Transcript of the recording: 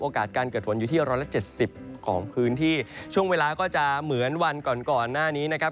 โอกาสการเกิดฝนอยู่ที่๑๗๐ของพื้นที่ช่วงเวลาก็จะเหมือนวันก่อนหน้านี้นะครับ